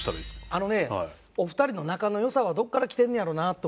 あのねお二人の仲の良さはどこからきてんねやろなと思って。